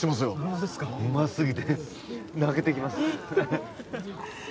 そうですかうますぎて泣けてきます